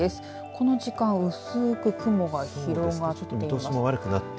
この時間、薄く雲が広がっています。